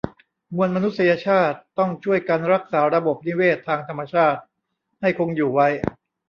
มวลมนุษยชาติต้องช่วยกันรักษาระบบนิเวศทางธรรมชาติให้คงอยู่ไว้